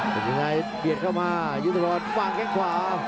เป็นยังไงเบียดเข้ามายุทธพรวางแข้งขวา